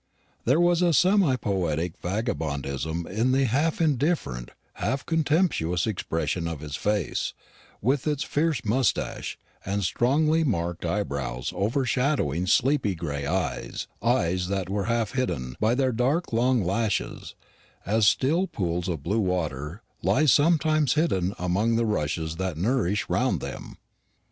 There was a semi poetic vagabondism in the half indifferent, half contemptuous expression of his face, with its fierce moustache, and strongly marked eyebrows overshadowing sleepy gray eyes eyes that were half hidden, by their long dark lashes; as still pools of blue water lie sometimes hidden among the rushes that nourish round them.